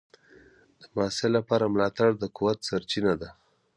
د محصل لپاره ملاتړ د قوت سرچینه ده.